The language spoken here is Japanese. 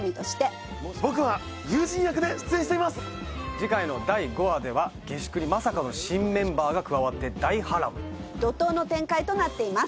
「次回の第５話では下宿にまさかの新メンバーが加わって大波乱」「怒濤の展開となっています」